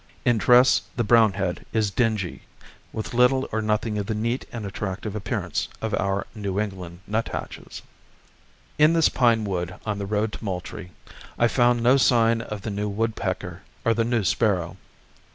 In dress the brown head is dingy, with little or nothing of the neat and attractive appearance of our New England nuthatches. In this pine wood on the road to Moultrie I found no sign of the new woodpecker or the new sparrow.